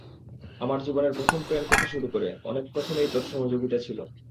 আমার জীবনের প্রথম প্রেম থেকে শুরু করে অনেক প্রথমেই তোর সহযোগিতা ছিল।